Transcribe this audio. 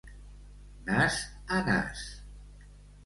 Nas a nas.